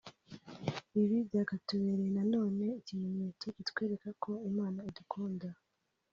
Ibi byakatubereye na none ikimenyetso kitwereka ko Imana idukunda